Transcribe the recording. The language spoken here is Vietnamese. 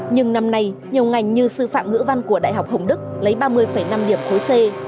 nhưng năm nay nhiều ngành như sư phạm ngữ văn của đại học hồng đức lấy ba mươi năm điểm khối c